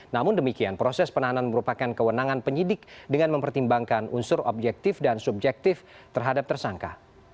namun demikian proses penahanan merupakan kewenangan penyidik dengan mempertimbangkan unsur objektif dan subjektif terhadap tersangka